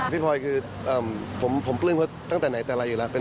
พลอยคือผมปลื้มเขาตั้งแต่ไหนแต่ไรอยู่แล้ว